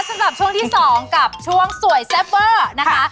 สำหรับช่วงที่๒กับช่วงสวยแซ่บเวอร์นะคะ